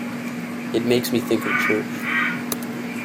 It makes me think of church.